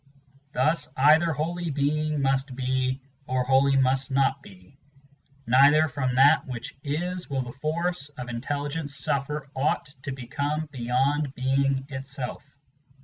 , Thus either wholly Being must be or wholly must not be. Never from that which is will the force of Intelligence suffer Aught to become beyond being itself.